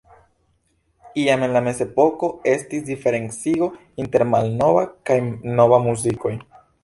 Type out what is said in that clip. Jam en la mezepoko estis diferencigo inter malnova kaj nova muzikoj.